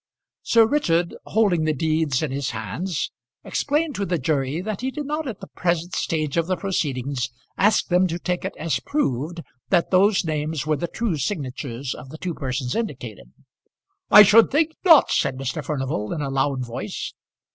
Sir Richard, holding the deeds in his hands, explained to the jury that he did not at the present stage of the proceedings ask them to take it as proved that those names were the true signatures of the two persons indicated. ("I should think not," said Mr. Furnival, in a loud voice.)